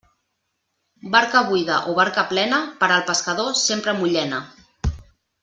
Barca buida o barca plena, per al pescador sempre mullena.